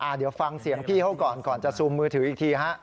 เดี๋ยวฟังเสียงพี่เขาก่อนก่อนจะซูมมือถืออีกทีฮะ